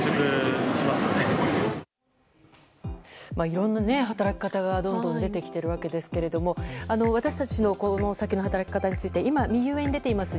いろんな働き方がどんどん出てきているわけですが私たちのこの先の働き方について今、右上に出ています